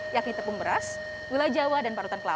yakni tepung beras gula jawa dan parutan kelapa